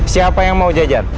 siapa yang mau jajan